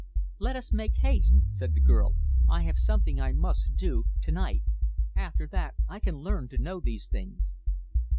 "Let us make haste," said the girl. "I have something I must do to night. After that, I can learn to know these things."